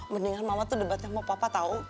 mendingan mama tuh debat sama papa tau